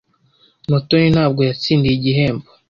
Mutoni ntabwo yatsindiye igihembo.